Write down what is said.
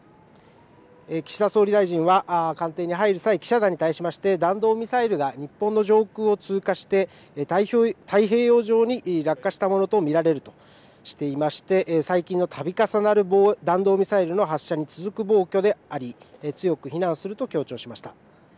岸田総理大臣は官邸に入る際記者団に対しまして弾道ミサイルが日本の上空を通過して太平洋上に落下したものと見られるとしていまして最近のたび重なる弾道ミサイルの発射に続く暴挙であり強く非難すると強調しました。